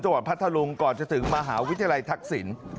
พัทธรุงก่อนจะถึงมหาวิทยาลัยทักษิณ